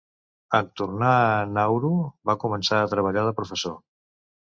En tornar a Nauru, va començar a treballar de professor.